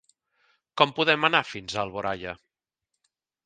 Com podem anar fins a Alboraia?